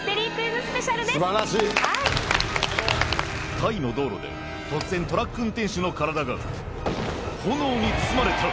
タイの道路で突然トラック運転手の体が炎に包まれた！